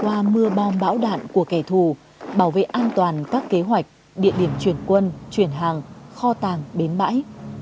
công an nhân dân đã đặt bom bão đạn của kẻ thù bảo vệ an toàn các kế hoạch địa điểm chuyển quân chuyển hàng kho tàng bến bãi